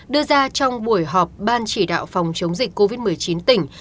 đưa ra trong buổi họp ban chỉ đạo phòng chống dịch covid một mươi chín tỉnh